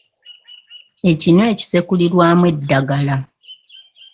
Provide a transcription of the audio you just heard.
Ekinu ekisekulirwamu eddagala.